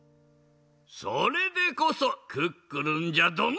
それでこそクックルンじゃドン！